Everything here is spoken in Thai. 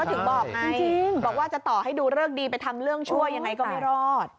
ถึงบอกไงบอกว่าจะต่อให้ดูเลิกดีไปทำเรื่องชั่วยังไงก็ไม่รอด